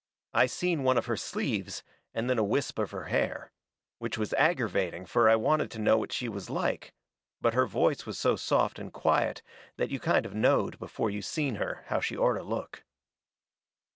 I seen one of her sleeves, and then a wisp of her hair. Which was aggervating, fur I wanted to know what she was like. But her voice was so soft and quiet that you kind of knowed before you seen her how she orter look.